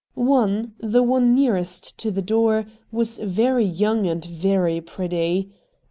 One, the one nearest to the door, was very young and very pretty.